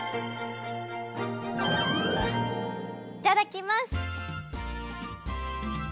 いただきます！